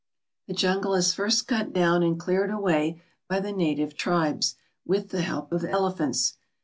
The jungle is first cut down and cleared away by the native tribes, with the help of elephants.